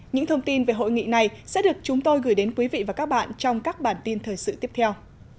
những thông tin về hội nghị này sẽ được chúng tôi gửi đến quý vị và các bạn trong các bản tin thời sự tiếp theo